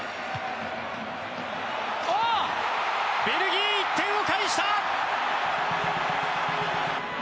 ベルギー、１点を返した！